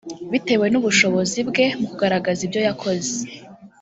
bitewe n’ubushobozi bwe mu kugaragaza ibyo yakoze